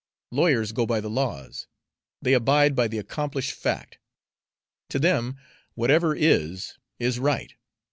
Lawyers go by the laws they abide by the accomplished fact; to them, whatever is, is right.